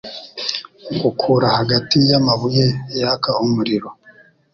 ngukura hagati y'amabuye yaka umuriro! ...